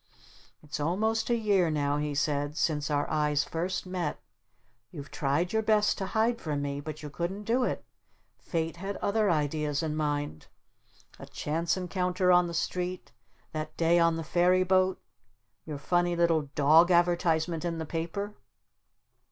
"It's almost a year now," he said, "since our eyes first met. You've tried your best to hide from me but you couldn't do it. Fate had other ideas in mind. A chance encounter on the street, that day on the ferry boat, your funny little dog advertisement in the paper?"